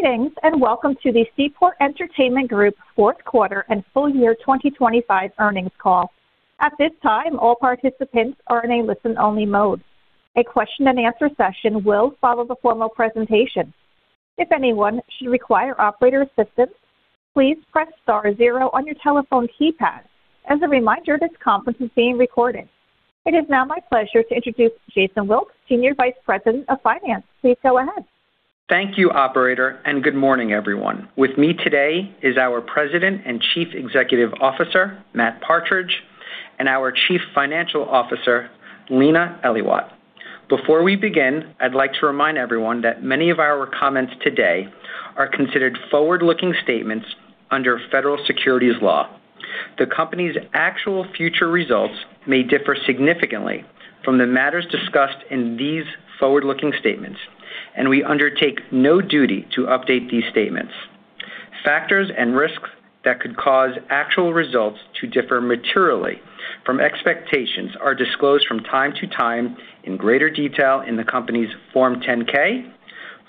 Greetings, and welcome to the Seaport Entertainment Group Fourth Quarter and Full Year 2025 Earnings Call. At this time, all participants are in a listen-only mode. A question-and-answer session will follow the formal presentation. If anyone should require operator assistance, please press star zero on your telephone keypad. As a reminder, this conference is being recorded. It is now my pleasure to introduce Jason Wilkes, Senior Vice President of Finance. Please go ahead. Thank you operator good morning everyone. With me today is our President and Chief Executive Officer, Matt Partridge, and our Chief Financial Officer, Lenah Elaiwat. Before we begin, I'd like to remind everyone that many of our comments today are considered forward-looking statements under federal securities law. The company's actual future results may differ significantly from the matters discussed in these forward-looking statements. We undertake no duty to update these statements. Factors and risks that could cause actual results to differ materially from expectations are disclosed from time to time in greater detail in the company's Form 10-K,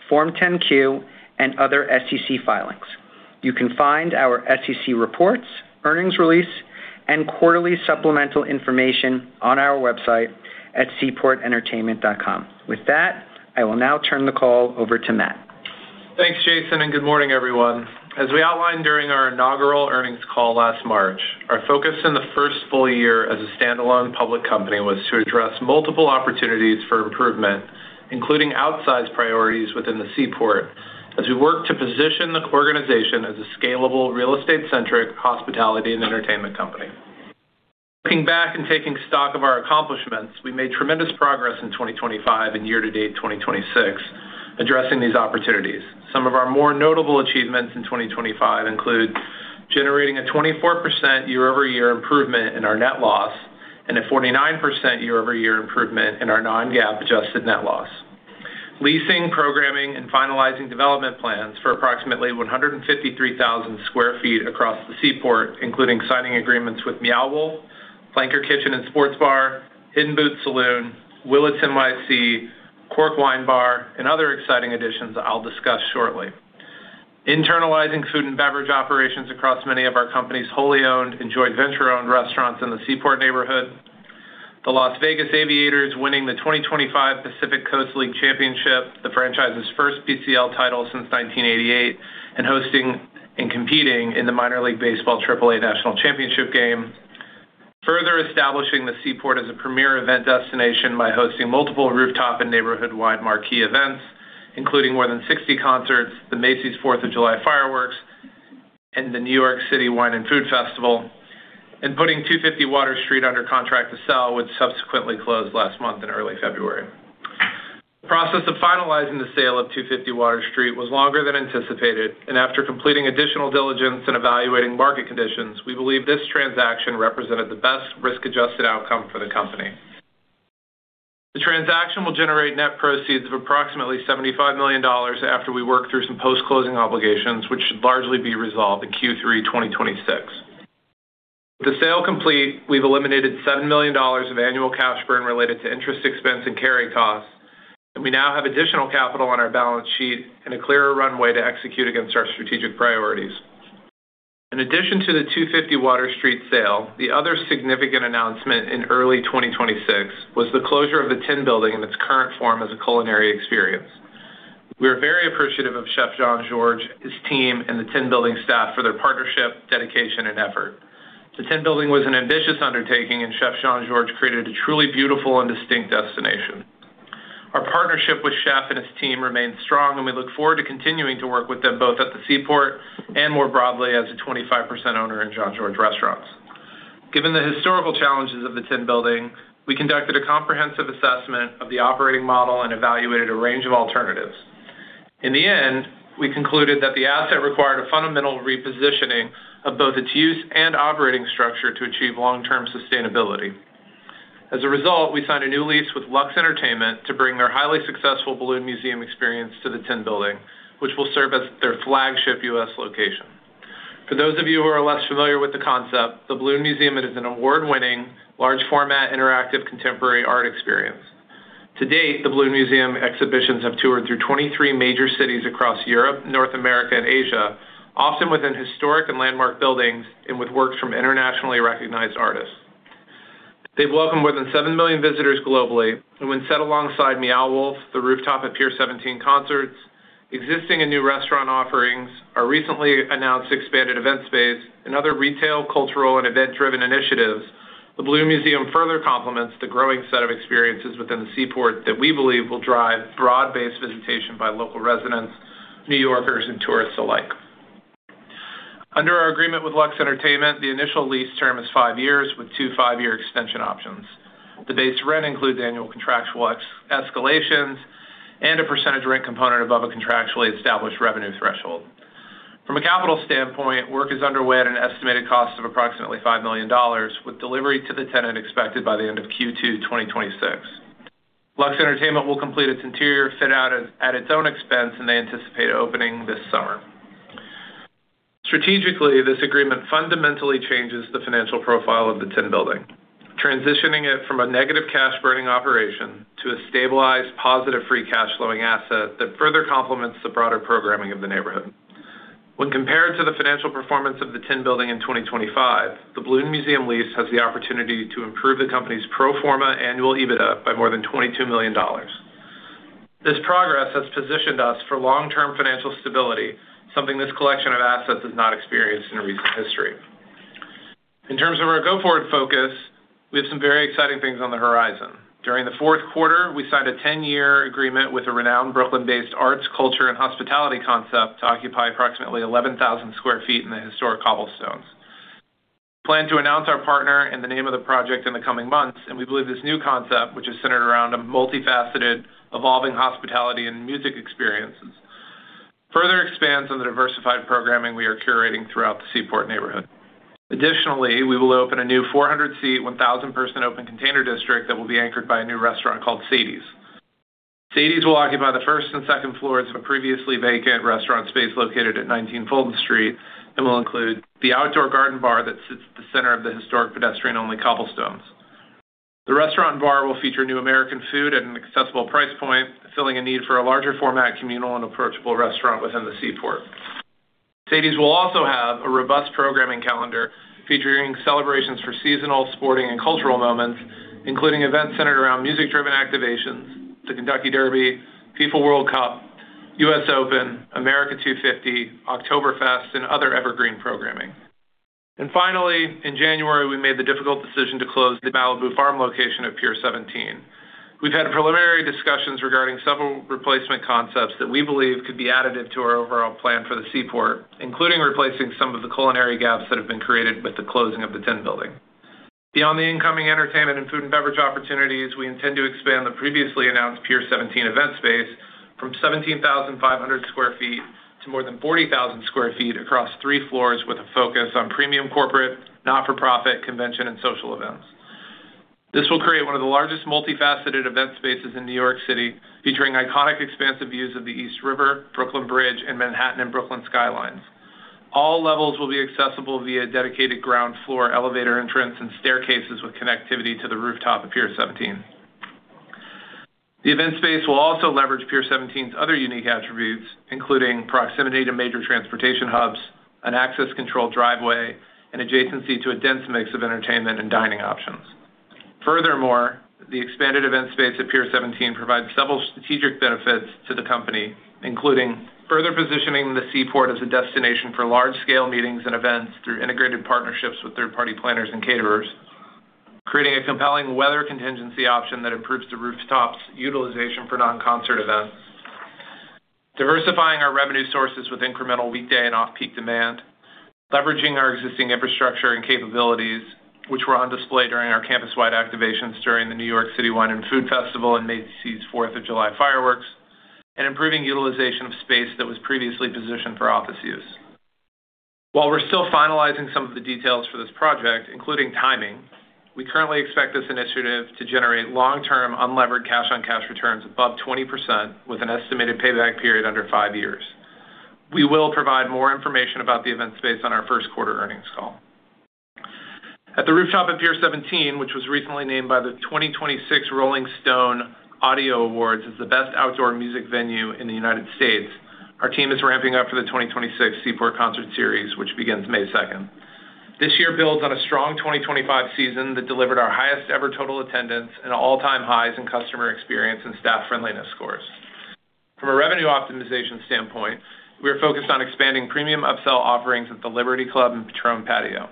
Form 10-Q, and other SEC filings. You can find our SEC reports, earnings release, and quarterly supplemental information on our website at seaportentertainment.com. With that, I will now turn the call over to Matt. Thanks Jason good morning everyone. As we outlined during our inaugural earnings call last March, our focus in the first full year as a standalone public company was to address multiple opportunities for improvement, including outsized priorities within the Seaport as we work to position the organization as a scalable, real estate-centric hospitality and entertainment company. Looking back and taking stock of our accomplishments, we made tremendous progress in 2025 and year-to-date 2026 addressing these opportunities. Some of our more notable achievements in 2025 include generating a 24% year-over-year improvement in our net loss and a 49% year-over-year improvement in our non-GAAP adjusted net loss. Leasing, programming, and finalizing development plans for approximately 153,000 sq ft across the Seaport, including signing agreements with Meow Wolf, Flanker Kitchen + Sports Bar, The Hidden Boot Saloon, Willits NYC, Cork Wine Bar, and other exciting additions I'll discuss shortly. Internalizing food and beverage operations across many of our company's wholly owned and joint venture-owned restaurants in the Seaport neighborhood. The Las Vegas Aviators winning the 2025 Pacific Coast League championship, the franchise's first PCL title since 1988, and hosting and competing in the Minor League Baseball Triple-A National Championship Game. Further establishing the Seaport as a premier event destination by hosting multiple rooftop and neighborhood-wide marquee events, including more than 60 concerts, the Macy's Fourth of July fireworks, and the New York City Wine & Food Festival, and putting 250 Water Street under contract to sell, which subsequently closed last month in early February. The process of finalizing the sale of 250 Water Street was longer than anticipated, and after completing additional diligence and evaluating market conditions, we believe this transaction represented the best risk-adjusted outcome for the company. The transaction will generate net proceeds of approximately $75 million after we work through some post-closing obligations, which should largely be resolved in Q3 2026. With the sale complete, we've eliminated $7 million of annual cash burn related to interest expense and carrying costs, and we now have additional capital on our balance sheet and a clearer runway to execute against our strategic priorities. In addition to the 250 Water Street sale, the other significant announcement in early 2026 was the closure of the Tin Building in its current form as a culinary experience. We are very appreciative of Chef Jean-Georges, his team, and the Tin Building staff for their partnership, dedication, and effort. The Tin Building was an ambitious undertaking, and Chef Jean-Georges created a truly beautiful and distinct destination. Our partnership with Chef and his team remains strong, and we look forward to continuing to work with them both at the Seaport and more broadly as a 25% owner in Jean-Georges Restaurants. Given the historical challenges of the Tin Building, we conducted a comprehensive assessment of the operating model and evaluated a range of alternatives. In the end, we concluded that the asset required a fundamental repositioning of both its use and operating structure to achieve long-term sustainability. As a result, we signed a new lease with Lux Entertainment to bring their highly successful Balloon Museum experience to the Tin Building, which will serve as their flagship U.S. location. For those of you who are less familiar with the concept, the Balloon Museum is an award-winning, large-format, interactive contemporary art experience. To date, the Balloon Museum exhibitions have toured through 23 major cities across Europe, North America, and Asia, often within historic and landmark buildings and with works from internationally recognized artists. They've welcomed more than 7 million visitors globally. When set alongside Meow Wolf, the rooftop at Pier 17 concerts, existing and new restaurant offerings, our recently announced expanded event space and other retail, cultural, and event-driven initiatives, the Balloon Museum further complements the growing set of experiences within the Seaport that we believe will drive broad-based visitation by local residents, New Yorkers, and tourists alike. Under our agreement with Lux Entertainment, the initial lease term is five years with two five-year extension options. The base rent includes annual contractual escalations and a percentage rent component above a contractually established revenue threshold. From a capital standpoint, work is underway at an estimated cost of approximately $5 million, with delivery to the tenant expected by the end of Q2 2026. Lux Entertainment will complete its interior fit-out at its own expense. They anticipate opening this summer. Strategically, this agreement fundamentally changes the financial profile of the Tin Building, transitioning it from a negative cash burning operation to a stabilized, positive free cash flowing asset that further complements the broader programming of the neighborhood. When compared to the financial performance of the Tin Building in 2025, the Balloon Museum lease has the opportunity to improve the company's pro forma annual EBITDA by more than $22 million. This progress has positioned us for long-term financial stability, something this collection of assets has not experienced in recent history. In terms of our go forward focus, we have some very exciting things on the horizon. During the fourth quarter, we signed a 10-year agreement with a renowned Brooklyn-based arts, culture and hospitality concept to occupy approximately 11,000 sq ft in the historic Cobblestones. We plan to announce our partner and the name of the project in the coming months. We believe this new concept, which is centered around a multifaceted, evolving hospitality and music experiences, further expands on the diversified programming we are curating throughout the Seaport neighborhood. Additionally, we will open a new 400-seat, 1,000-person open container district that will be anchored by a new restaurant called Sadie's. Sadie's will occupy the first and second floors of a previously vacant restaurant space located at 19 Fulton Street and will include the outdoor garden bar that sits at the center of the historic pedestrian-only Cobblestones. The restaurant and bar will feature new American food at an accessible price point, filling a need for a larger format, communal and approachable restaurant within the Seaport. Sadie's will also have a robust programming calendar featuring celebrations for seasonal, sporting and cultural moments, including events centered around music-driven activations, the Kentucky Derby, FIFA World Cup, US Open, America 250, Oktoberfest and other evergreen programming. Finally, in January, we made the difficult decision to close the Malibu Farm location at Pier 17. We've had preliminary discussions regarding several replacement concepts that we believe could be additive to our overall plan for the Seaport, including replacing some of the culinary gaps that have been created with the closing of the Tin Building. Beyond the incoming entertainment and food and beverage opportunities, we intend to expand the previously announced Pier 17 event space from 17,500 sq ft to more than 40,000 sq ft across three floors with a focus on premium corporate, not for profit, convention and social events. This will create one of the largest multifaceted event spaces in New York City, featuring iconic, expansive views of the East River, Brooklyn Bridge and Manhattan and Brooklyn skylines. All levels will be accessible via dedicated ground floor elevator entrance and staircases with connectivity to the rooftop of Pier 17. The event space will also leverage Pier 17's other unique attributes, including proximity to major transportation hubs, an access control driveway and adjacency to a dense mix of entertainment and dining options. The expanded event space at Pier 17 provides several strategic benefits to the company, including further positioning the Seaport as a destination for large-scale meetings and events through integrated partnerships with third-party planners and caterers. Creating a compelling weather contingency option that improves the rooftop's utilization for non-concert events. Diversifying our revenue sources with incremental weekday and off-peak demand. Leveraging our existing infrastructure and capabilities, which were on display during our campus-wide activations during the New York City Wine & Food Festival and Macy's Fourth of July fireworks. Improving utilization of space that was previously positioned for office use. While we're still finalizing some of the details for this project, including timing, we currently expect this initiative to generate long-term unlevered cash on cash returns above 20% with an estimated payback period under five years. We will provide more information about the event space on our first quarter earnings call. At the rooftop of Pier 17, which was recently named by the 2026 Rolling Stone Audio Awards as the best outdoor music venue in the United States, our team is ramping up for the 2026 Seaport Concert Series, which begins May second. This year builds on a strong 2025 season that delivered our highest ever total attendance and all-time highs in customer experience and staff friendliness scores. From a revenue optimization standpoint, we are focused on expanding premium upsell offerings at the Liberty Club and Patrón Patio.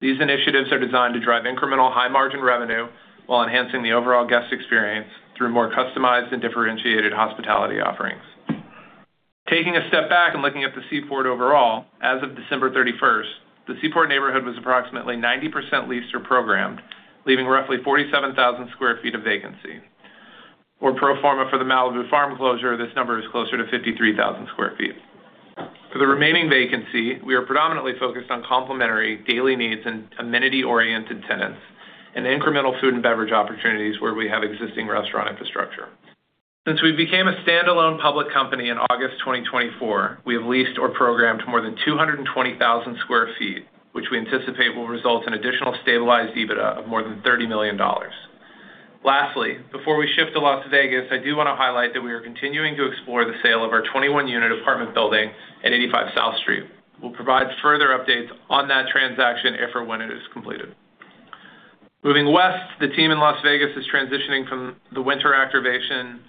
These initiatives are designed to drive incremental high margin revenue while enhancing the overall guest experience through more customized and differentiated hospitality offerings. Taking a step back and looking at the Seaport overall, as of December 31st, the Seaport neighborhood was approximately 90% leased or programmed, leaving roughly 47,000 sq ft of vacancy. For pro forma for the Malibu Farm closure, this number is closer to 53,000 sq ft. For the remaining vacancy, we are predominantly focused on complementary daily needs and amenity-oriented tenants and incremental food and beverage opportunities where we have existing restaurant infrastructure. Since we became a standalone public company in August 2024, we have leased or programmed more than 220,000 sq ft, which we anticipate will result in additional stabilized EBITDA of more than $30 million. Lastly, before we shift to Las Vegas, I do want to highlight that we are continuing to explore the sale of our 21 unit apartment building at 85 South Street. We'll provide further updates on that transaction if or when it is completed. Moving west, the team in Las Vegas is transitioning from the winter activation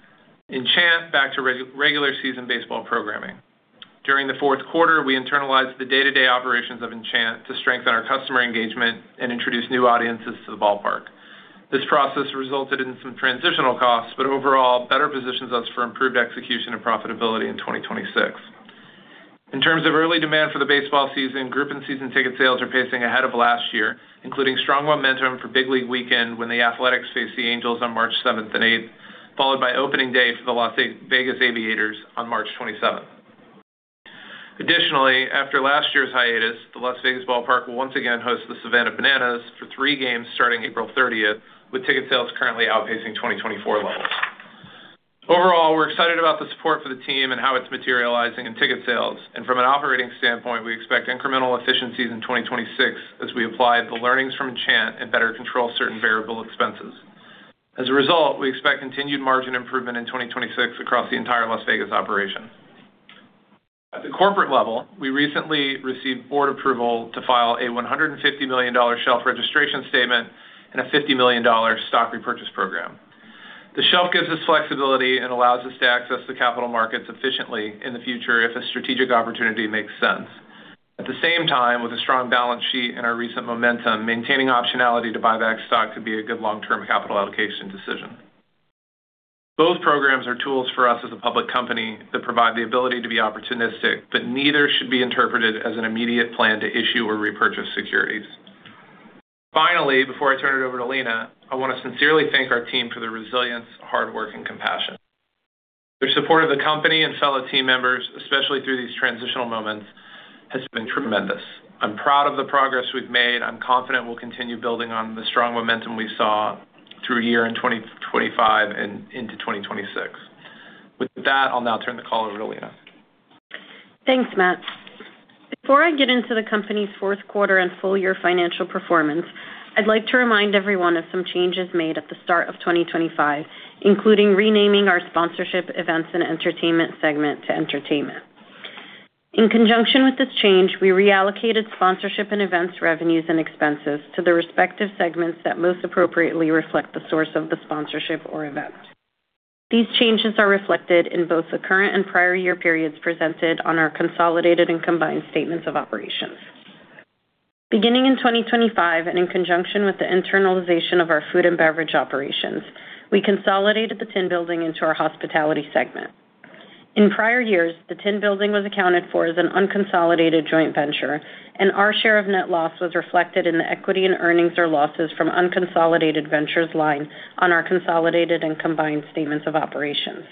Enchant back to regular season baseball programming. During the fourth quarter, we internalized the day-to-day operations of Enchant to strengthen our customer engagement and introduce new audiences to the ballpark. This process resulted in some transitional costs, but overall better positions us for improved execution and profitability in 2026. In terms of early demand for the baseball season, group and season ticket sales are pacing ahead of last year, including strong momentum for Big League Weekend when the Athletics face the Angels on March 7th and 8th, followed by opening day for the Las Vegas Aviators on March 27th. Additionally, after last year's hiatus, the Las Vegas Ballpark will once again host the Savannah Bananas for three games starting April 30th, with ticket sales currently outpacing 2024 levels. Overall, we're excited about the support for the team and how it's materializing in ticket sales. From an operating standpoint, we expect incremental efficiencies in 2026 as we apply the learnings from Chant and better control certain variable expenses. As a result, we expect continued margin improvement in 2026 across the entire Las Vegas operation. At the corporate level, we recently received board approval to file a $150 million shelf registration statement and a $50 million stock repurchase program. The shelf gives us flexibility and allows us to access the capital markets efficiently in the future if a strategic opportunity makes sense. At the same time, with a strong balance sheet and our recent momentum, maintaining optionality to buy back stock could be a good long-term capital allocation decision. Both programs are tools for us as a public company that provide the ability to be opportunistic, neither should be interpreted as an immediate plan to issue or repurchase securities. Finally, before I turn it over to Lenah, I want to sincerely thank our team for their resilience, hard work, and compassion. Their support of the company and fellow team members, especially through these transitional moments, has been tremendous. I'm proud of the progress we've made. I'm confident we'll continue building on the strong momentum we saw through year in 2025 and into 2026. I'll now turn the call over to Lenah. Thanks Matt before I get into the company's fourth quarter and full year financial performance, I'd like to remind everyone of some changes made at the start of 2025, including renaming our sponsorship events and entertainment segment to entertainment. In conjunction with this change, we reallocated sponsorship and events revenues and expenses to the respective segments that most appropriately reflect the source of the sponsorship or event. These changes are reflected in both the current and prior year periods presented on our consolidated and combined statements of operations. Beginning in 2025 and in conjunction with the internalization of our food and beverage operations, we consolidated the Tin Building into our hospitality segment. In prior years, the Tin Building was accounted for as an unconsolidated joint venture, and our share of net loss was reflected in the equity and earnings or losses from unconsolidated ventures line on our consolidated and combined statements of operations.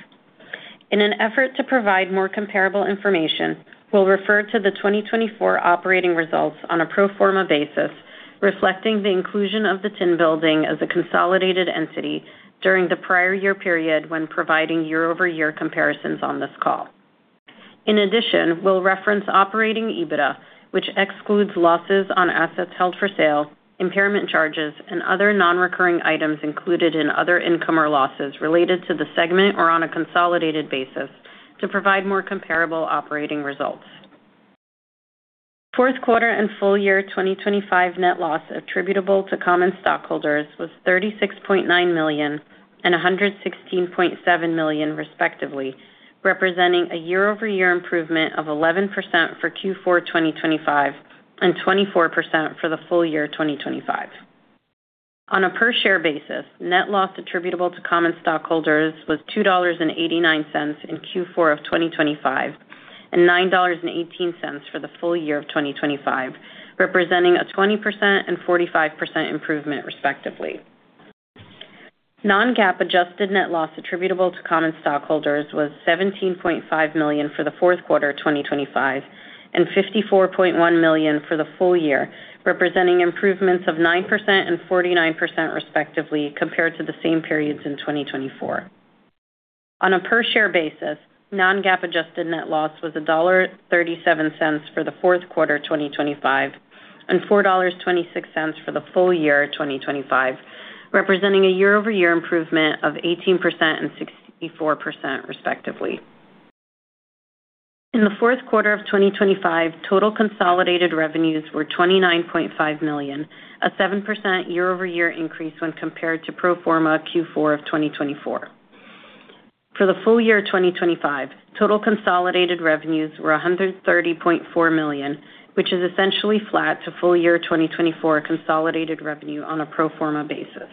In an effort to provide more comparable information, we'll refer to the 2024 operating results on a pro forma basis, reflecting the inclusion of the Tin Building as a consolidated entity during the prior year period when providing year-over-year comparisons on this call. In addition, we'll reference operating EBITDA, which excludes losses on assets held for sale, impairment charges, and other non-recurring items included in other income or losses related to the segment or on a consolidated basis to provide more comparable operating results. Fourth quarter and full year 2025 net loss attributable to common stockholders was $36.9 million and $116.7 million, respectively, representing a year-over-year improvement of 11% for Q4 2025 and 24% for the full year 2025. On a per share basis, net loss attributable to common stockholders was $2.89 in Q4 of 2025 and $9.18 for the full year of 2025, representing a 20% and 45% improvement, respectively. Non-GAAP adjusted net loss attributable to common stockholders was $17.5 million for the fourth quarter 2025 and $54.1 million for the full year, representing improvements of 9% and 49% respectively, compared to the same periods in 2024. On a per share basis, non-GAAP adjusted net loss was $1.37 for the fourth quarter 2025 and $4.26 for the full year 2025, representing a year-over-year improvement of 18% and 64% respectively. In the fourth quarter of 2025, total consolidated revenues were $29.5 million, a 7% year-over-year increase when compared to pro forma Q4 of 2024. For the full year 2025, total consolidated revenues were $130.4 million, which is essentially flat to full year 2024 consolidated revenue on a pro forma basis.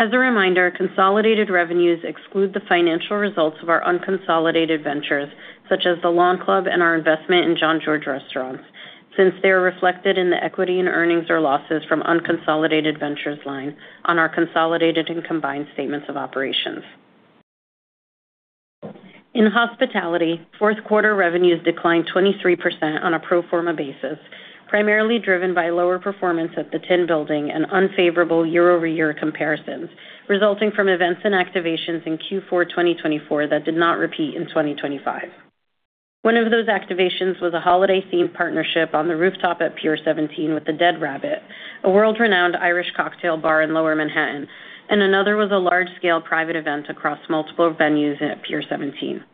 As a reminder, consolidated revenues exclude the financial results of our unconsolidated ventures such as the Lawn Club and our investment in Jean-Georges Restaurants since they are reflected in the equity and earnings or losses from unconsolidated ventures line on our consolidated and combined statements of operations. In hospitality, fourth quarter revenues declined 23% on a pro forma basis, primarily driven by lower performance at the Tin Building and unfavorable year-over-year comparisons, resulting from events and activations in Q4 2024 that did not repeat in 2025. One of those activations was a holiday-themed partnership on the rooftop at Pier 17 with The Dead Rabbit, a world-renowned Irish cocktail bar in Lower Manhattan, and another was a large-scale private event across multiple venues at Pier 17.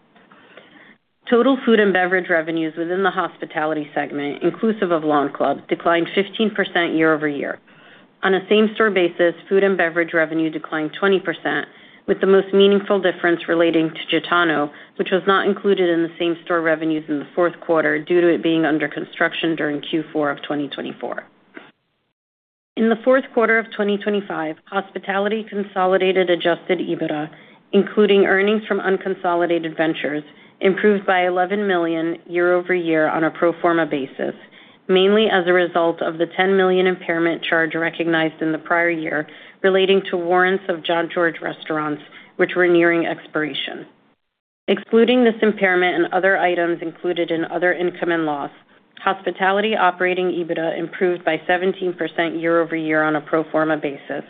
Total food and beverage revenues within the hospitality segment, inclusive of Lawn Club, declined 15% year-over-year. On a same-store basis, food and beverage revenue declined 20%, with the most meaningful difference relating to Gitano, which was not included in the same-store revenues in the fourth quarter due to it being under construction during Q4 of 2024. In the fourth quarter of 2025, hospitality consolidated Adjusted EBITDA, including earnings from unconsolidated ventures, improved by $11 million year-over-year on a pro forma basis, mainly as a result of the $10 million impairment charge recognized in the prior year relating to warrants of Jean-Georges Restaurants which were nearing expiration. Excluding this impairment and other items included in other income and loss, hospitality operating EBITDA improved by 17% year-over-year on a pro forma basis,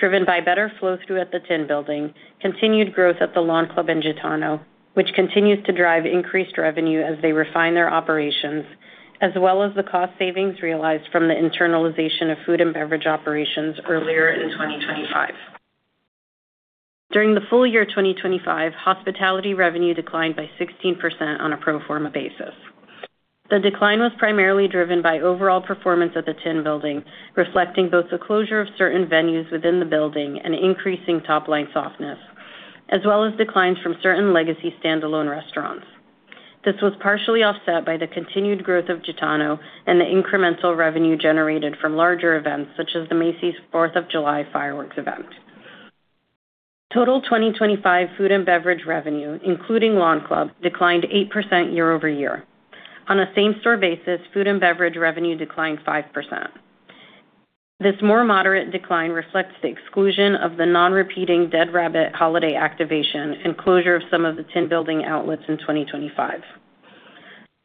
driven by better flow-through at the Tin Building, continued growth at The Lawn Club in Gitano, which continues to drive increased revenue as they refine their operations, as well as the cost savings realized from the internalization of food and beverage operations earlier in 2025. During the full year 2025, hospitality revenue declined by 16% on a pro forma basis. The decline was primarily driven by overall performance of the Tin Building, reflecting both the closure of certain venues within the building and increasing top-line softness, as well as declines from certain legacy standalone restaurants. This was partially offset by the continued growth of Gitano and the incremental revenue generated from larger events such as the Macy's Fourth of July fireworks event. Total 2025 food and beverage revenue, including Lawn Club, declined 8% year-over-year. On a same-store basis, food and beverage revenue declined 5%. This more moderate decline reflects the exclusion of the non-repeating Dead Rabbit holiday activation and closure of some of the Tin Building outlets in 2025.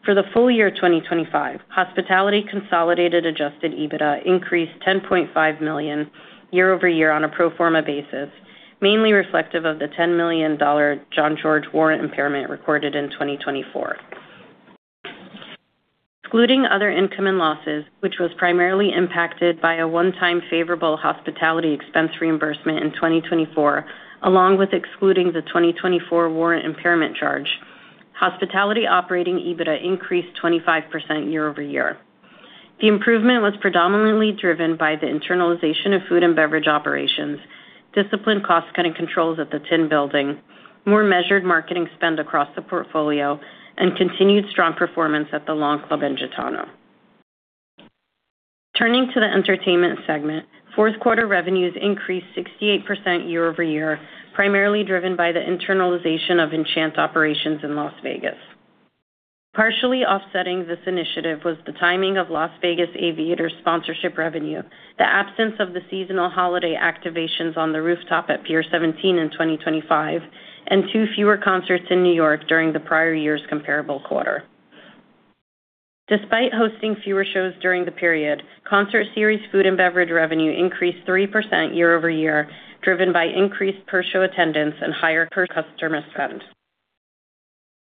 For the full year 2025, hospitality consolidated Adjusted EBITDA increased $10.5 million year-over-year on a pro forma basis, mainly reflective of the $10 million Jean-Georges warrant impairment recorded in 2024. Excluding other income and losses, which was primarily impacted by a one-time favorable hospitality expense reimbursement in 2024, along with excluding the 2024 warrant impairment charge, hospitality operating EBITDA increased 25% year-over-year. The improvement was predominantly driven by the internalization of food and beverage operations, disciplined cost-cutting controls at the Tin Building, more measured marketing spend across the portfolio, and continued strong performance at The Lawn Club in Gitano. Turning to the entertainment segment, fourth quarter revenues increased 68% year-over-year, primarily driven by the internalization of Enchant operations in Las Vegas. Partially offsetting this initiative was the timing of Las Vegas Aviators sponsorship revenue, the absence of the seasonal holiday activations on the rooftop at Pier 17 in 2025, and two fewer concerts in New York during the prior year's comparable quarter. Despite hosting fewer shows during the period, concert series food and beverage revenue increased 3% year-over-year, driven by increased per-show attendance and higher per-customer spend.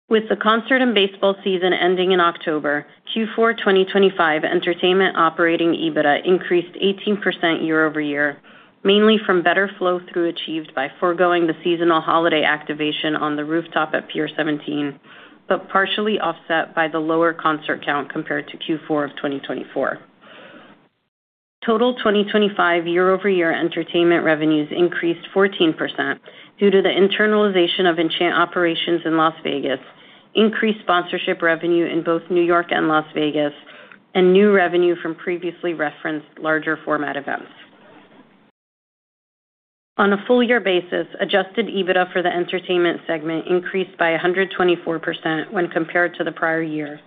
With the concert and baseball season ending in October, Q4 2025 entertainment operating EBITDA increased 18% year-over-year, mainly from better flow-through achieved by foregoing the seasonal holiday activation on the rooftop at Pier 17, but partially offset by the lower concert count compared to Q4 of 2024. Total 2025 year-over-year entertainment revenues increased 14% due to the internalization of Enchant operations in Las Vegas, increased sponsorship revenue in both New York and Las Vegas, and new revenue from previously referenced larger format events. On a full year basis, Adjusted EBITDA for the entertainment segment increased by 124% when compared to the prior year,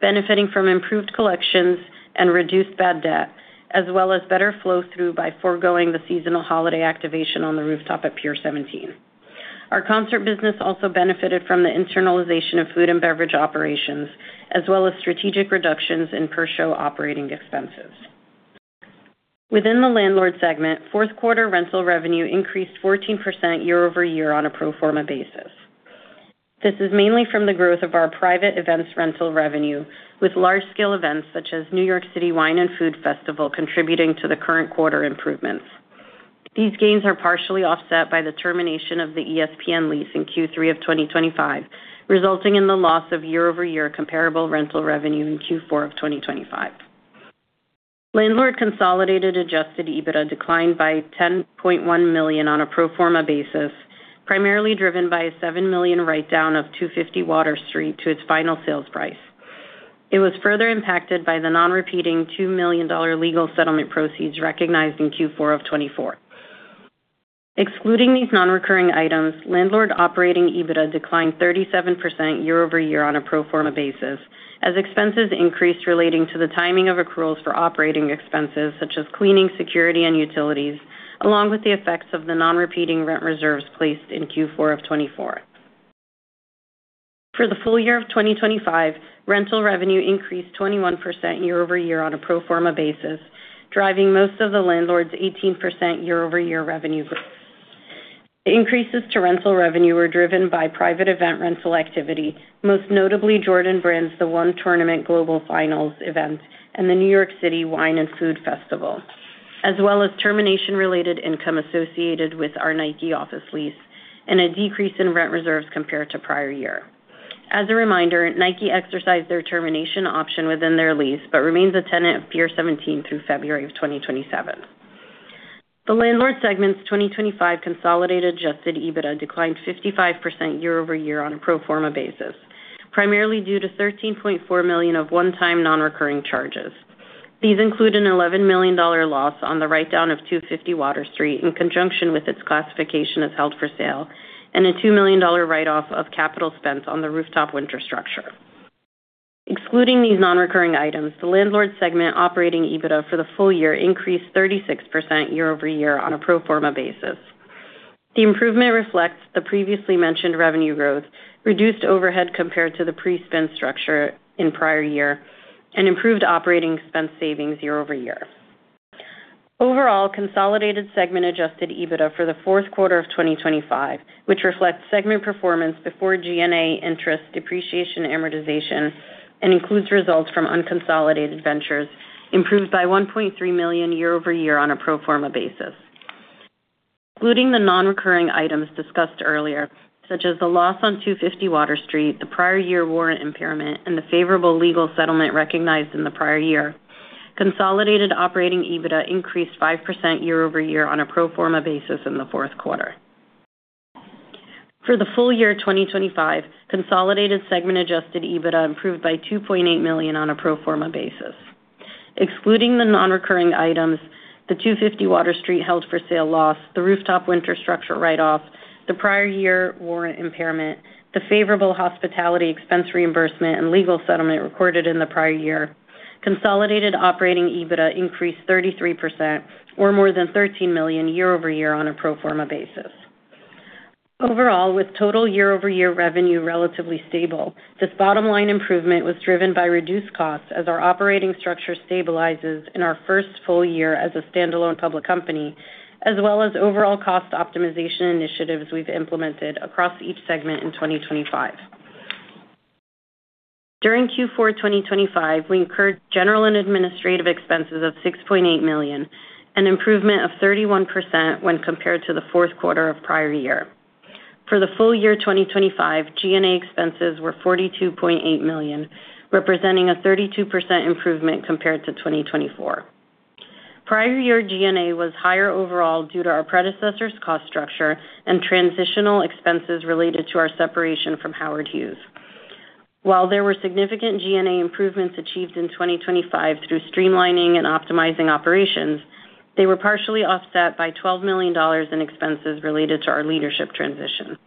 benefiting from improved collections and reduced bad debt, as well as better flow-through by foregoing the seasonal holiday activation on the rooftop at Pier 17. Our concert business also benefited from the internalization of food and beverage operations, as well as strategic reductions in per-show operating expenses. Within the landlord segment, fourth quarter rental revenue increased 14% year-over-year on a pro forma basis. This is mainly from the growth of our private events rental revenue, with large-scale events such as New York City Wine & Food Festival contributing to the current quarter improvements. These gains are partially offset by the termination of the ESPN lease in Q3 of 2025, resulting in the loss of year-over-year comparable rental revenue in Q4 of 2025. Landlord consolidated Adjusted EBITDA declined by $10.1 million on a pro forma basis, primarily driven by a $7 million write-down of 250 Water Street to its final sales price. It was further impacted by the non-repeating $2 million legal settlement proceeds recognized in Q4 of 2024. Excluding these non-recurring items, landlord operating EBITDA declined 37% year-over-year on a pro forma basis, as expenses increased relating to the timing of accruals for operating expenses such as cleaning, security, and utilities, along with the effects of the non-repeating rent reserves placed in Q4 of 2024. For the full year of 2025, rental revenue increased 21% year-over-year on a pro forma basis, driving most of the landlord's 18% year-over-year revenue growth. The increases to rental revenue were driven by private event rental activity, most notably Jordan Brand's The One Tournament global finals event and the New York City Wine & Food Festival, as well as termination-related income associated with our Nike office lease and a decrease in rent reserves compared to prior year. As a reminder, Nike exercised their termination option within their lease but remains a tenant of Pier 17 through February of 2027. The landlord segment's 2025 consolidated Adjusted EBITDA declined 55% year-over-year on a pro forma basis, primarily due to $13.4 million of one-time non-recurring charges. These include an $11 million loss on the write-down of 250 Water Street in conjunction with its classification as held for sale, and a $2 million write-off of capital spent on the rooftop winter structure. Excluding these non-recurring items, the landlord segment operating EBITDA for the full year increased 36% year-over-year on a pro forma basis. The improvement reflects the previously mentioned revenue growth, reduced overhead compared to the pre-spin structure in prior year, and improved operating expense savings year-over-year. Overall, consolidated segment Adjusted EBITDA for the fourth quarter of 2025, which reflects segment performance before G&A interest depreciation amortization and includes results from unconsolidated ventures, improved by $1.3 million year-over-year on a pro forma basis. Excluding the non-recurring items discussed earlier, such as the loss on 250 Water Street, the prior year warrant impairment, and the favorable legal settlement recognized in the prior year, consolidated operating EBITDA increased 5% year-over-year on a pro forma basis in the fourth quarter. For the full year 2025, consolidated segment adjusted EBITDA improved by $2.8 million on a pro forma basis. Excluding the non-recurring items, the 250 Water Street held for sale loss, the rooftop winter structure write-off, the prior year warrant impairment, the favorable hospitality expense reimbursement and legal settlement recorded in the prior year, consolidated operating EBITDA increased 33% or more than $13 million year-over-year on a pro forma basis. Overall, with total year-over-year revenue relatively stable, this bottom-line improvement was driven by reduced costs as our operating structure stabilizes in our first full year as a standalone public company, as well as overall cost optimization initiatives we've implemented across each segment in 2025. During Q4 of 2025, we incurred general and administrative expenses of $6.8 million, an improvement of 31% when compared to the fourth quarter of prior year. For the full year 2025, G&A expenses were $42.8 million, representing a 32% improvement compared to 2024. Prior year GNA was higher overall due to our predecessor's cost structure and transitional expenses related to our separation from Howard Hughes. While there were significant G&A improvements achieved in 2025 through streamlining and optimizing operations, they were partially offset by $12 million in expenses related to our leadership transition.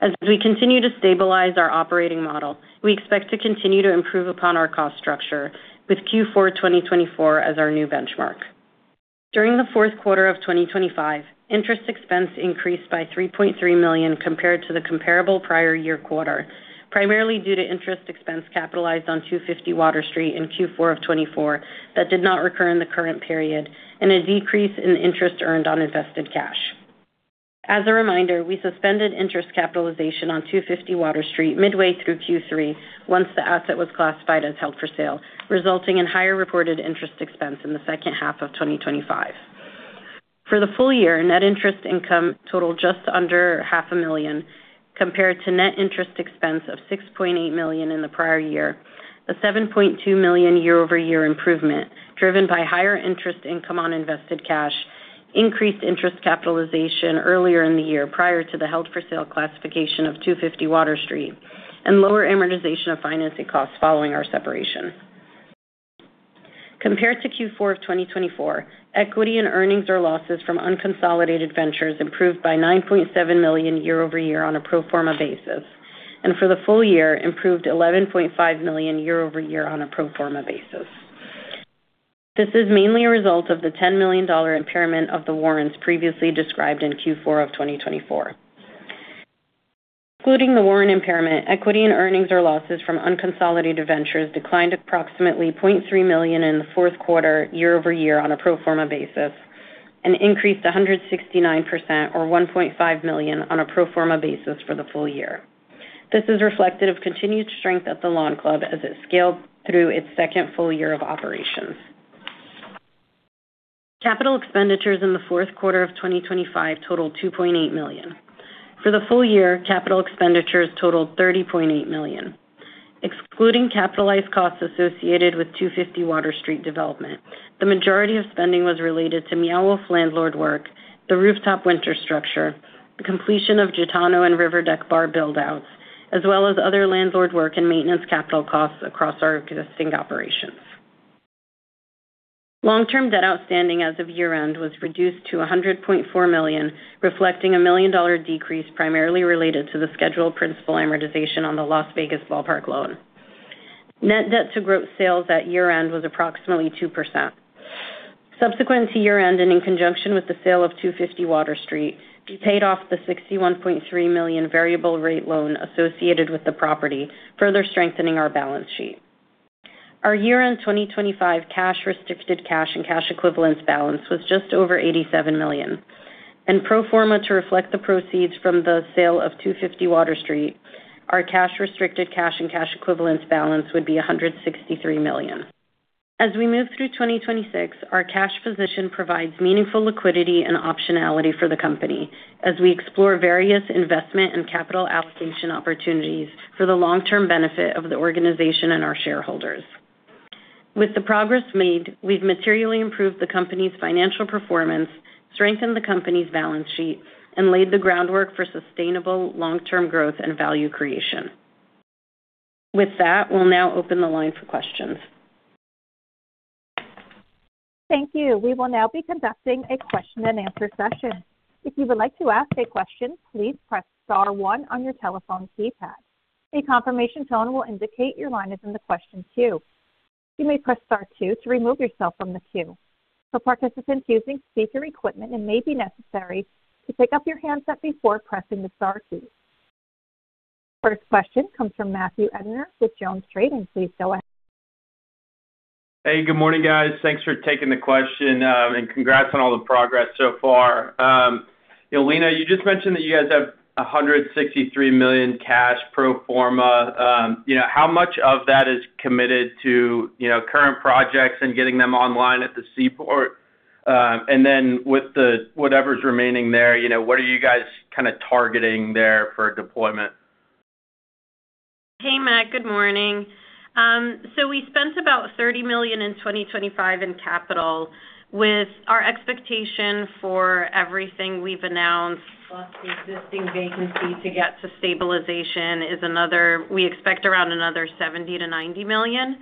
As we continue to stabilize our operating model, we expect to continue to improve upon our cost structure with Q4 of 2024 as our new benchmark. During the fourth quarter of 2025, interest expense increased by $3.3 million compared to the comparable prior year quarter, primarily due to interest expense capitalized on 250 Water Street in Q4 of 2024 that did not recur in the current period and a decrease in interest earned on invested cash. As a reminder, we suspended interest capitalization on 250 Water Street midway through Q3 once the asset was classified as held for sale, resulting in higher reported interest expense in the second half of 2025. For the full year, net interest income totaled just under half a million, compared to net interest expense of $6.8 million in the prior year. The $7.2 million year-over-year improvement driven by higher interest income on invested cash, increased interest capitalization earlier in the year prior to the held for sale classification of 250 Water Street, and lower amortization of financing costs following our separation. Compared to Q4 of 2024, equity and earnings or losses from unconsolidated ventures improved by $9.7 million year-over-year on a pro forma basis, and for the full year improved $11.5 million year-over-year on a pro forma basis. This is mainly a result of the $10 million impairment of the warrants previously described in Q4 of 2024. Excluding the warrant impairment, equity and earnings or losses from unconsolidated ventures declined approximately $0.3 million in the fourth quarter year-over-year on a pro forma basis and increased 169% or $1.5 million on a pro forma basis for the full year. This is reflective of continued strength at the Lawn Club as it scaled through its second full year of operations. Capital expenditures in the fourth quarter of 2025 totaled $2.8 million. For the full year, capital expenditures totaled $30.8 million. Excluding capitalized costs associated with 250 Water Street development, the majority of spending was related to Meow Wolf landlord work, the rooftop winter structure, the completion of Gitano and River Deck Bar build-outs as well as other landlord work and maintenance capital costs across our existing operations. Long-term debt outstanding as of year-end was reduced to $100.4 million, reflecting a $1 million decrease primarily related to the scheduled principal amortization on the Las Vegas Ballpark loan. Net debt to gross sales at year-end was approximately 2%. Subsequent to year-end and in conjunction with the sale of 250 Water Street, we paid off the $61.3 million variable rate loan associated with the property, further strengthening our balance sheet. Our year-end 2025 cash restricted cash and cash equivalence balance was just over $87 million, and pro forma to reflect the proceeds from the sale of 250 Water Street, our cash restricted cash and cash equivalence balance would be $163 million. As we move through 2026 our cash position provides meaningful liquidity and optionality for the company as we explore various investment and capital allocation opportunities for the long-term benefit of the organization and our shareholders. With the progress made, we've materially improved the company's financial performance, strengthened the company's balance sheet, and laid the groundwork for sustainable long-term growth and value creation. With that, we'll now open the line for questions. Thank you we will now be conducting a question and answer session. If you would like to ask a question please press star one on your telephone keypad. A confirmation tone will indicate your line is in the question queue. You may press star two to remove yourself from the queue. For participants using speaker equipment, it may be necessary to pick up your handset before pressing the star key. First question comes from Matthew Edner with Jones Trading. Please go ahead. Hey, good morning, guys. Thanks for taking the question. Congrats on all the progress so far. You know, Lenah, you just mentioned that you guys have $163 million cash pro forma. You know, how much of that is committed to, you know, current projects and getting them online at the Seaport? Then whatever's remaining there, you know, what are you guys kinda targeting there for deployment? Hey Matt good morning. We spent about $30 million in 2025 in capital with our expectation for everything we've announced, plus the existing vacancy to get to stabilization, we expect around another $70 million-$90 million.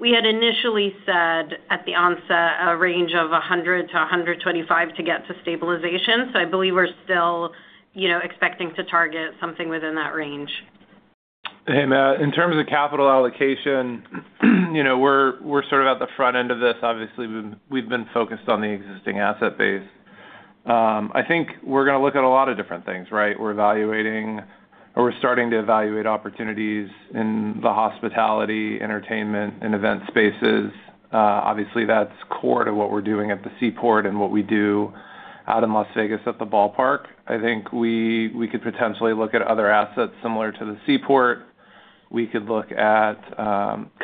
We had initially said at the onset a range of $100 million-$125 million to get to stabilization, I believe we're still, you know, expecting to target something within that range. Hey Matt in terms of capital allocation, you know, we're sort of at the front end of this. Obviously, we've been focused on the existing asset base. I think we're gonna look at a lot of different things, right? We're evaluating or we're starting to evaluate opportunities in the hospitality, entertainment and event spaces. Obviously, that's core to what we're doing at the Seaport and what we do out in Las Vegas at the ballpark. I think we could potentially look at other assets similar to the Seaport. We could look at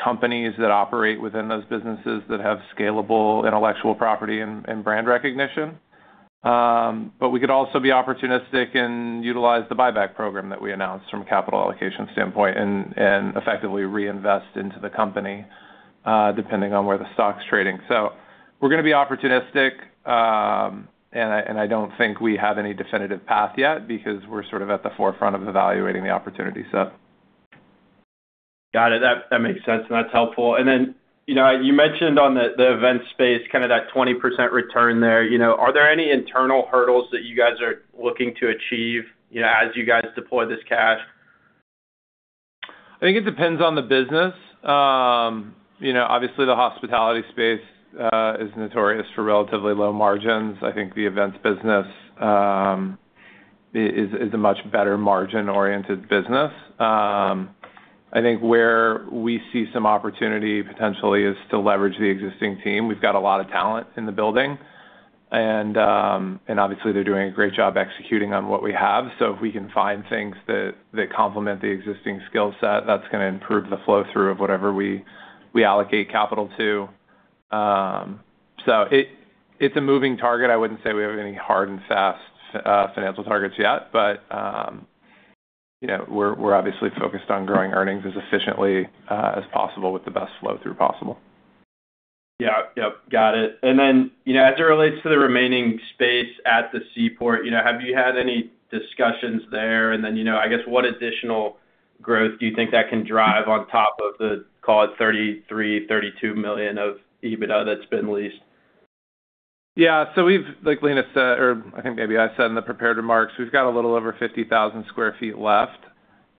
companies that operate within those businesses that have scalable intellectual property and brand recognition. We could also be opportunistic and utilize the buyback program that we announced from a capital allocation standpoint and effectively reinvest into the company depending on where the stock's trading. We're gonna be opportunistic, and I don't think we have any definitive path yet because we're sort of at the forefront of evaluating the opportunity set. Got it. That makes sense and that's helpful. Then, you know, you mentioned on the event space, kind of that 20% return there. You know, are there any internal hurdles that you guys are looking to achieve, you know, as you guys deploy this cash? I think it depends on the business. You know, obviously the hospitality space is notorious for relatively low margins. I think the events business is a much better margin-oriented business. I think where we see some opportunity potentially is to leverage the existing team. We've got a lot of talent in the building. Obviously they're doing a great job executing on what we have. If we can find things that complement the existing skill set, that's gonna improve the flow through of whatever we allocate capital to. So it's a moving target. I wouldn't say we have any hard and fast financial targets yet. You know, we're obviously focused on growing earnings as efficiently as possible with the best flow through possible. Yeah yep got it. You know, as it relates to the remaining space at the Seaport, you know, have you had any discussions there? You know, I guess what additional growth do you think that can drive on top of the, call it $33 million, $32 million of EBITDA that's been leased? Like Lenah Elaiwat said, or I think maybe I said in the prepared remarks, we've got a little over 50,000 sq ft left.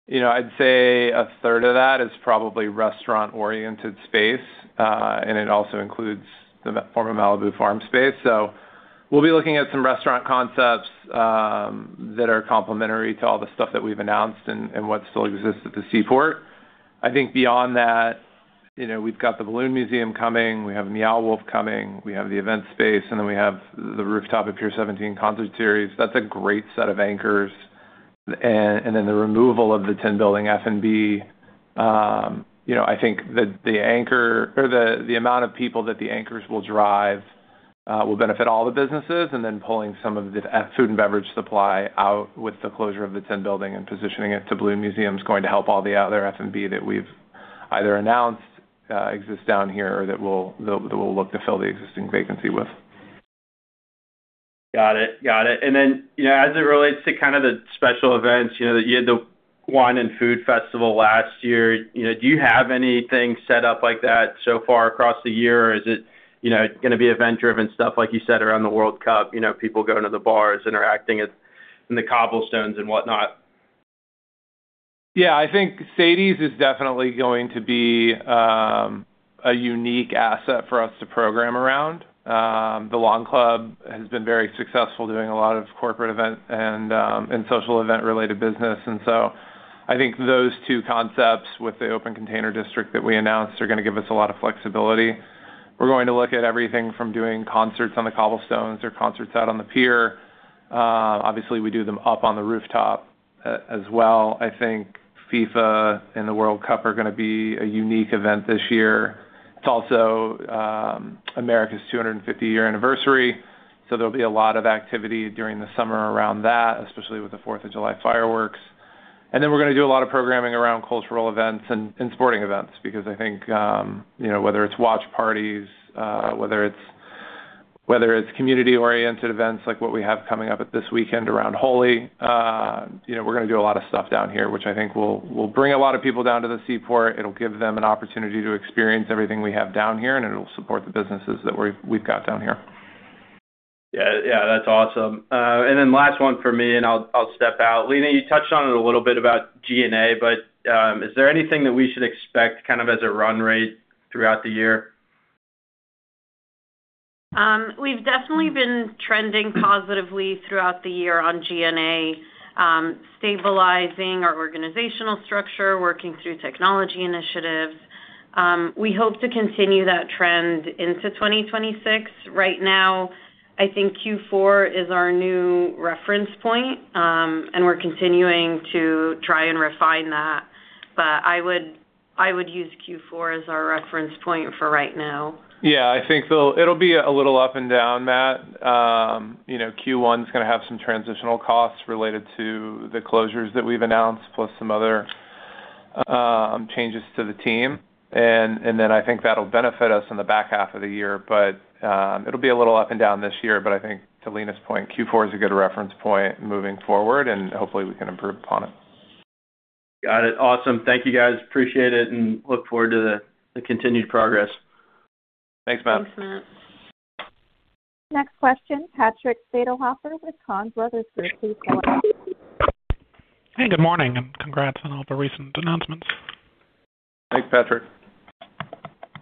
You know, I'd say a third of that is probably restaurant-oriented space, and it also includes the former Malibu Farm space. We'll be looking at some restaurant concepts that are complementary to all the stuff that we've announced and what still exists at the Seaport. I think beyond that, you know, we've got the Balloon Museum coming, we have Meow Wolf coming, we have the event space, and then we have the rooftop of Pier 17 concert series. That's a great set of anchors. And then the removal of the Tin Building F&B, you know, I think the anchor or the amount of people that the anchors will drive will benefit all the businesses. Pulling some of the food and beverage supply out with the closure of the Tin Building and positioning it to Balloon Museum is going to help all the other F&B that we've either announced, exists down here or that we'll look to fill the existing vacancy with. Got it. Got it. You know, as it relates to kind of the special events, you know, that you had the Wine and Food Festival last year, you know, do you have anything set up like that so far across the year? Or is it, you know, gonna be event-driven stuff, like you said, around the World Cup? You know, people going to the bars, interacting in the Cobblestones and whatnot. I think Sadie's is definitely going to be a unique asset for us to program around. The Lawn Club has been very successful doing a lot of corporate event and social event related business. I think those two concepts with the open container district that we announced are gonna give us a lot of flexibility. We're going to look at everything from doing concerts on the cobblestones or concerts out on the pier. Obviously, we do them up on the rooftop as well. I think FIFA and the World Cup are gonna be a unique event this year. It's also America's 250-year anniversary, so there'll be a lot of activity during the summer around that, especially with the Fourth of July fireworks. We're gonna do a lot of programming around cultural events and sporting events because I think, you know, whether it's watch parties, whether it's community-oriented events like what we have coming up this weekend around Holi, you know, we're gonna do a lot of stuff down here, which I think will bring a lot of people down to the Seaport. It'll give them an opportunity to experience everything we have down here, and it'll support the businesses that we've got down here. Yeah. Yeah that's awesome. Last one for me I'll step out. Lena, you touched on it a little bit about G&A, is there anything that we should expect kind of as a run rate throughout the year? We've definitely been trending positively throughout the year on G&A, stabilizing our organizational structure, working through technology initiatives. We hope to continue that trend into 2026. Right now, I think Q4 is our new reference point, and we're continuing to try and refine that. I would use Q4 as our reference point for right now. Yeah. I think It'll be a little up and down, Matt. You know, Q1 is gonna have some transitional costs related to the closures that we've announced, plus some other changes to the team. I think that'll benefit us in the back half of the year. It'll be a little up and down this year, but I think to Lenah's point, Q4 is a good reference point moving forward, and hopefully we can improve upon it. Got it. Awesome. Thank you guys. Appreciate it and look forward to the continued progress. Thanks Matt. Thanks Matt. Next question Patrick Stadelhofer with Kahn Brothers Group. Please go ahead. Hey good morning and congrats on all the recent announcements. Thanks Patrick.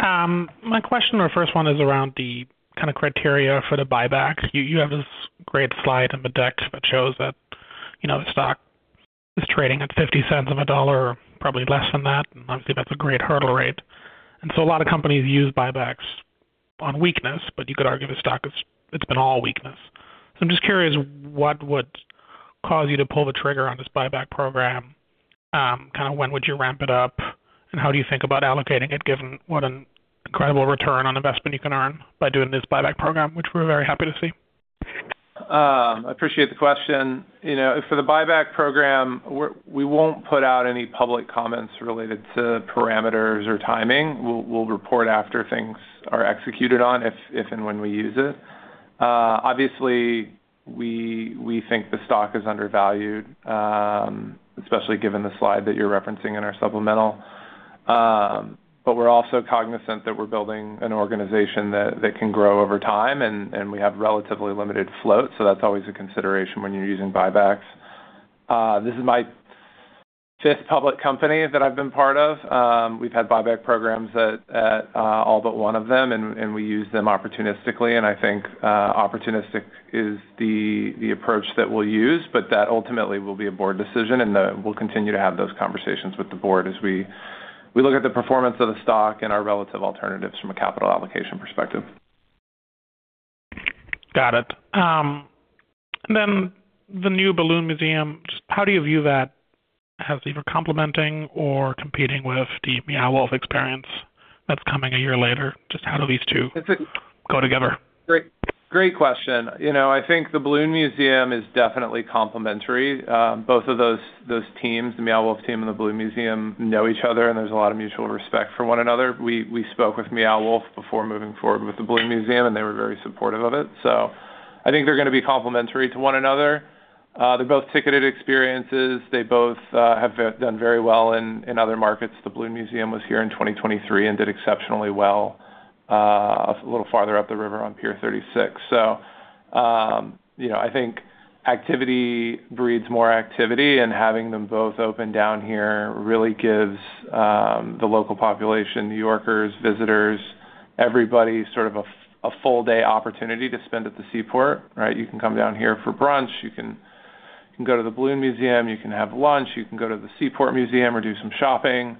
My question or first one is around the kind of criteria for the buyback. You, you have this great slide in the deck that shows that, you know, the stock is trading at $0.50 on the dollar, probably less than that, and obviously that's a great hurdle rate. A lot of companies use buybacks on weakness, but you could argue it's been all weakness. I'm just curious, what would cause you to pull the trigger on this buyback program? Kind of when would you ramp it up? How do you think about allocating it given what an incredible ROI you can earn by doing this buyback program, which we're very happy to see? I appreciate the question. You know, for the buyback program, we won't put out any public comments related to parameters or timing. We'll, we'll report after things are executed on if and when we use it. Obviously, we think the stock is undervalued, especially given the slide that you're referencing in our supplemental. We're also cognizant that we're building an organization that can grow over time, and we have relatively limited float, so that's always a consideration when you're using buybacks. This is my fifth public company that I've been part of. We've had buyback programs at, all but one of them, and we use them opportunistically. I think, opportunistic is the approach that we'll use, but that ultimately will be a board decision, and we'll continue to have those conversations with the board as we look at the performance of the stock and our relative alternatives from a capital allocation perspective. Got it. Then the new Balloon Museum, just how do you view that as either complementing or competing with the Meow Wolf experience that's coming a year later? Just how do these two-. It's. go together? Great, great question. You know, I think the Balloon Museum is definitely complementary. Both of those teams, the Meow Wolf team and the Balloon Museum, know each other, and there's a lot of mutual respect for one another. We spoke with Meow Wolf before moving forward with the Balloon Museum, and they were very supportive of it. I think they're gonna be complementary to one another. They're both ticketed experiences. They both have done very well in other markets. The Balloon Museum was here in 2023 and did exceptionally well, a little farther up the river on Pier 36. You know, I think activity breeds more activity, and having them both open down here really gives the local population, New Yorkers, visitors, everybody sort of a full day opportunity to spend at the Seaport, right? You can come down here for brunch, you can go to the Balloon Museum, you can have lunch, you can go to the Seaport Museum or do some shopping,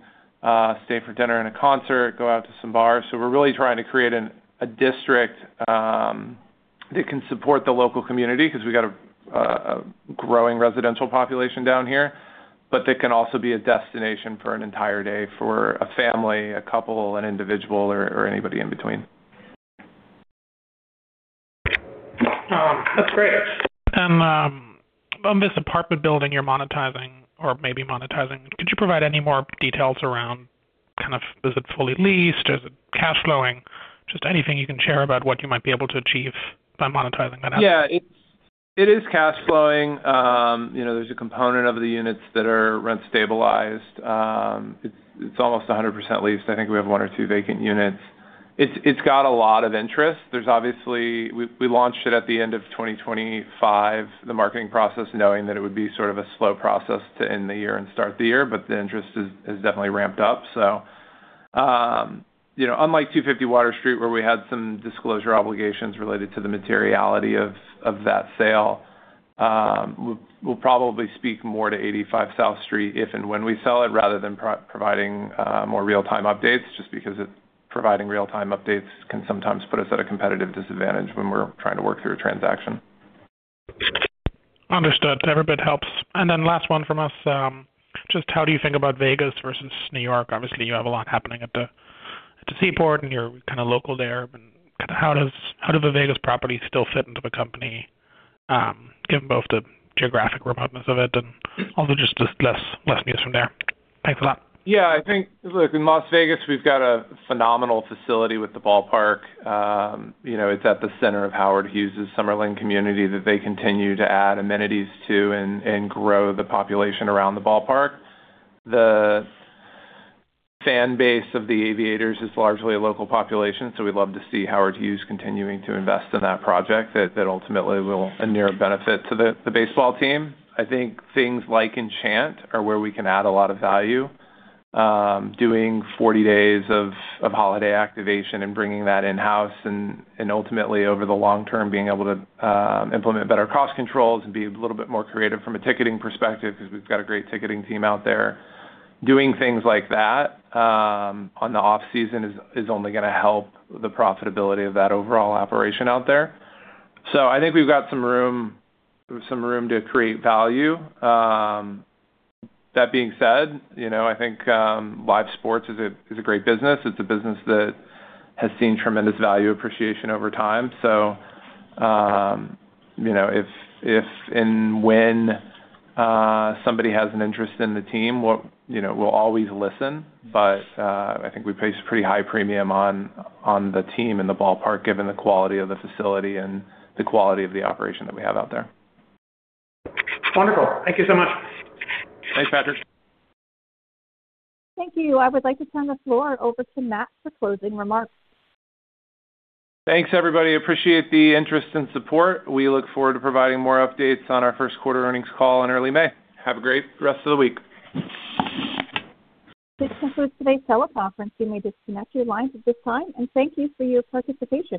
stay for dinner and a concert, go out to some bars. We're really trying to create a district that can support the local community 'cause we got a growing residential population down here. That can also be a destination for an entire day for a family, a couple, an individual or anybody in between. That's great. On this apartment building you're monetizing or maybe monetizing, could you provide any more details around is it fully leased? Is it cash flowing? Just anything you can share about what you might be able to achieve by monetizing that asset. Yeah. It is cash flowing. you know, there's a component of the units that are rent stabilized. It's almost 100% leased. I think we have one or two vacant units. It's got a lot of interest. There's obviously... We launched it at the end of 2025, the marketing process, knowing that it would be sort of a slow process to end the year and start the year, the interest is definitely ramped up. You know, unlike 250 Water Street, where we had some disclosure obligations related to the materiality of that sale, we'll probably speak more to 85 South Street if and when we sell it, rather than pro-providing, more real-time updates, just because it's providing real-time updates can sometimes put us at a competitive disadvantage when we're trying to work through a transaction. Understood. Every bit helps. Last one from us, just how do you think about Vegas versus New York? Obviously, you have a lot happening at the Seaport, and you're kinda local there. How do the Vegas properties still fit into the company, given both the geographic remoteness of it and also just less news from there? Thanks for that. I think, look, in Las Vegas, we've got a phenomenal facility with the ballpark. You know, it's at the center of Howard Hughes' Summerlin community that they continue to add amenities to and grow the population around the ballpark. The fan base of the Aviators is largely a local population, so we'd love to see Howard Hughes continuing to invest in that project that ultimately will inure a benefit to the baseball team. I think things like Enchant are where we can add a lot of value. Doing 40 days of holiday activation and bringing that in-house and ultimately over the long term, being able to implement better cost controls and be a little bit more creative from a ticketing perspective 'cause we've got a great ticketing team out there. Doing things like that, on the off-season is only gonna help the profitability of that overall operation out there. I think we've got some room to create value. That being said, you know, I think live sports is a great business. It's a business that has seen tremendous value appreciation over time. If and when somebody has an interest in the team, we'll always listen. I think we place a pretty high premium on the team and the ballpark given the quality of the facility and the quality of the operation that we have out there. Wonderful thank you so much. Thanks Patrick. Thank you I would like to turn the floor over to Matt for closing remarks. Thanks everybody. Appreciate the interest and support. We look forward to providing more updates on our first quarter earnings call in early May. Have a great rest of the week. This concludes today's teleconference. You may disconnect your lines at this time. Thank you for your participation.